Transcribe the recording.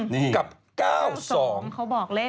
นี่กับ๙๒เขาบอกเลข